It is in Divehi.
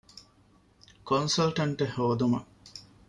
ކޮންސަލްޓަންޓެއް ހޯދުމަށް